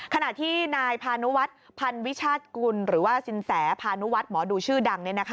ขณะที่นายพานุวัฒน์พันวิชาติกุลหรือว่าสินแสพานุวัฒน์หมอดูชื่อดัง